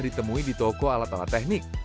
ditemui di toko alat alat teknik